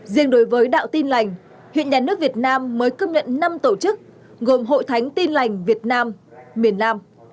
riêng đối với đạo tin lành hiện nhà nước việt nam mới công nhận năm tổ chức gồm hội thánh tin lành việt nam miền nam